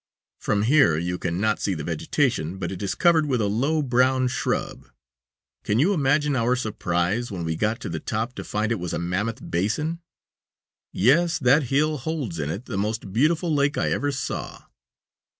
From here you can not see the vegetation, but it is covered with a low, brown shrub. Can you imagine our surprise when we got to the top to find it was a mammoth basin? Yes, that hill holds in it the most beautiful lake I ever saw."